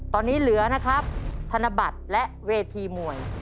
ตอนนี้เหลือนะครับธนบัตรและเวทีมวย